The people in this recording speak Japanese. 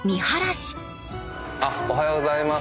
おはようございます。